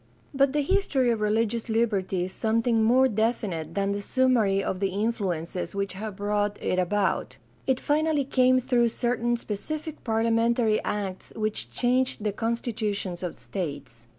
But the history of religious liberty is something more definite than the summary of the influences which have brought it about; it finally came through certain specific parlia mentary acts which changed the constitutions of states.